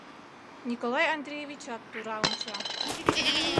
Николай Андреевичат тура онча.